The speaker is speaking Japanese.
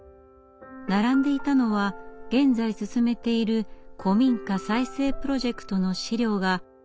並んでいたのは現在進めている古民家再生プロジェクトの資料が６軒分。